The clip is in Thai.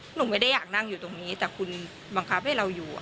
หนูไม่ได้อยากนั่งอยู่ตรงนี้แต่คุณบังคับให้เราอยู่